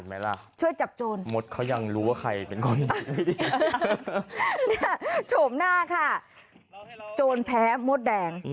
เห็นไหมล่ะช่วยจับโจรมดเขายังรู้ว่าใครเป็นคนโชมหน้าค่ะโจรแพ้มดแดงอืม